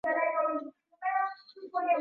Kiti chake ni kipya.